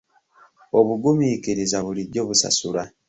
Obugumiikiriza bulijjo busasula.